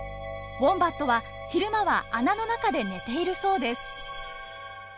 ウォンバットは昼間は穴の中で寝ているそうです。